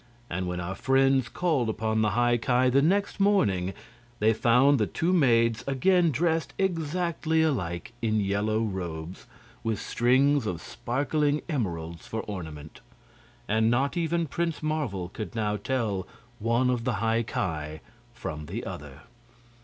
And when our friends called upon the High Ki the next morning they found the two maids again dressed exactly alike in yellow robes, with strings of sparkling emeralds for ornament. And not even Prince Marvel could now tell one of the High Ki from the other.